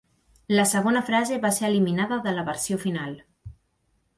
La segona frase va ser eliminada de la versió final.